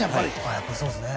やっぱりそうすね